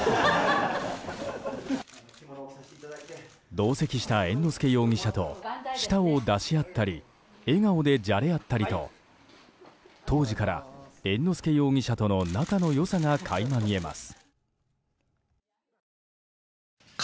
同席した猿之助容疑者と舌を出し合ったり笑顔でじゃれ合ったりと当時から猿之助容疑者との仲の良さが垣間見えます。